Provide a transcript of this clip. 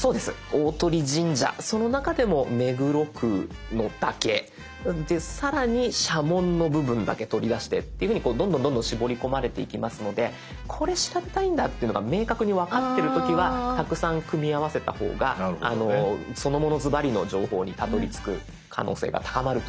大鳥神社その中でも目黒区のだけ更に社紋の部分だけ取り出してっていうふうにどんどんどんどん絞り込まれていきますのでこれ調べたいんだっていうのが明確に分かってる時はたくさん組み合わせた方がそのものずばりの情報にたどりつく可能性が高まると思います。